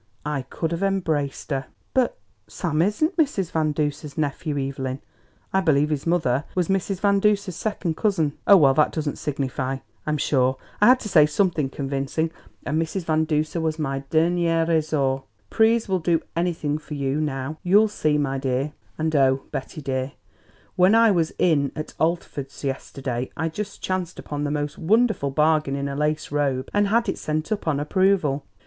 I could have embraced her!" "But Sam isn't Mrs. Van Duser's nephew, Evelyn. I believe his mother was Mrs. Van Duser's second cousin." "Oh, well, that doesn't signify. I'm sure, I had to say something convincing, and Mrs. Van Duser was my dernier resort. Pryse will do anything for you now, you'll see, my dear! And, oh, Betty dear, when I was in at Altford's yesterday I just chanced upon the most wonderful bargain in a lace robe, and had it sent up on approval.